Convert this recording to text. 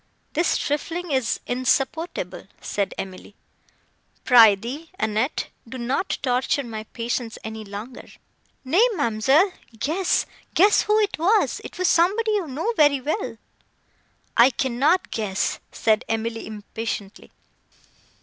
"This trifling is insupportable," said Emily; "pr'ythee, Annette, do not torture my patience any longer." "Nay, ma'amselle, guess—guess who it was; it was somebody you know very well." "I cannot guess," said Emily impatiently.